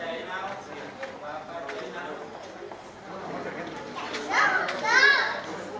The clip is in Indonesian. tapi aku meng statingai saya tidak banyak tempo